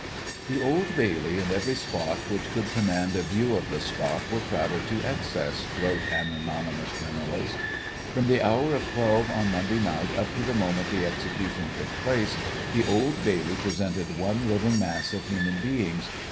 "The Old Bailey and every spot which could command a view of the spot were crowded to excess," wrote an anonymous journalist. "From the hour of twelve on Monday night up to the moment the execution took place, the Old Bailey presented one living mass of human beings.